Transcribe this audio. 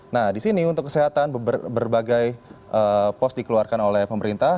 nah disini untuk kesehatan berbagai pos dikeluarkan oleh pemerintah